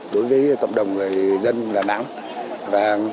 đối với cộng đồng dân đà nẵng